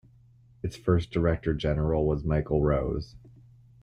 Its first Director General was Michael Rowse.